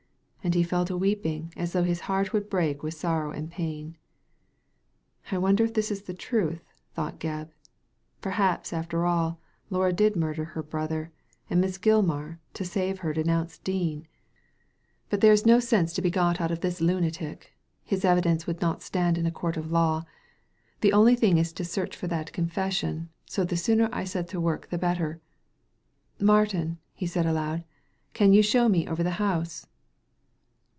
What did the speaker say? And he fell to weeping, as though his heart would break with sorrow and pain. "I wonder if this is the truth," thought Gebb. "Perhaps, after all, Laura did murder her brother, and Miss Gilmar to save her denounced Dean. But Digitized by Google 2o6 THE LADY FROM NOWHERE there is no sense to be got out of this lunatic ; his evidence would not stand in a court of law. The only thing is to search for that confession, so the sooner I set to work the better. — Martin/' he said» aloud, " can you show me over the house